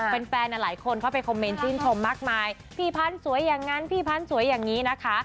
แฟนหลายคนเข้าไปคอมเมนต์ชื่นชมมากมายพี่พันธุ์สวยอย่างนั้นพี่พันธ์สวยอย่างนี้นะคะ